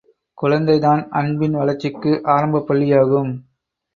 குழந்தைதான் அன்பின் வளர்ச்சிக்கு ஆரம்பப்பள்ளியாகும்.